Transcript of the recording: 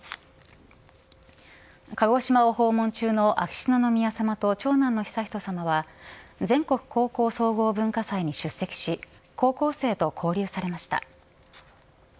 鹿児島を訪問中の秋篠宮さまと長男の悠仁さまは全国高校総合文化祭に出席し高校生と交流されました。